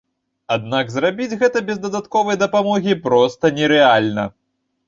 Аднак зрабіць гэта без дадатковай дапамогі проста нерэальна.